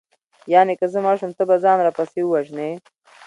یانې که زه مړه شوم ته به ځان راپسې ووژنې